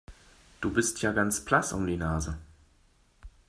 Du bist ja ganz blass um die Nase.